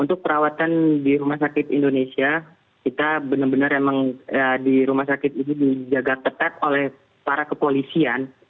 untuk perawatan di rumah sakit indonesia kita benar benar emang di rumah sakit ini dijaga ketat oleh para kepolisian